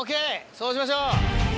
そうしましょう。